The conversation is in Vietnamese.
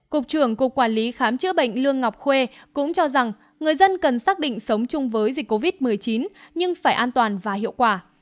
cục trưởng cục quản lý khám chữa bệnh lương ngọc khuê cũng cho rằng người dân cần xác định sống chung với dịch covid một mươi chín nhưng phải an toàn và hiệu quả